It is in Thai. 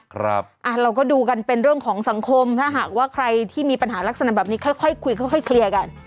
เราก็ดูกันเป็นเรื่องของสังคมถ้าหากว่าใครที่มีปัญหาลักษณะแบบนี้ค่อยคุยค่อยเคลียร์กัน